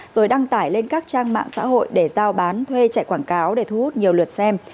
rồi đăng tải lên các trang mạng xã hội để giao bán thuê chạy quảng cáo để thu hút nhiều lượt xem